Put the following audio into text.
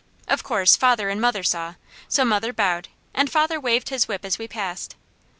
Of course father and mother saw, so mother bowed, and father waved his whip as we passed.